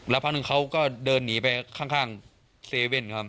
แล้วพักนึงเขาก็เดินหนีไปข้าง๗๑๑ครับ